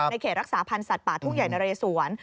ในเขตรักษาพันธุ์สัตว์ป่าทุกใหญ่ในระยะสวน